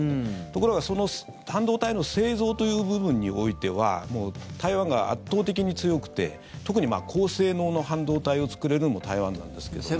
ところが、半導体の製造という部分においては台湾が圧倒的に強くて特に高性能の半導体を作れるのも台湾なんですけども。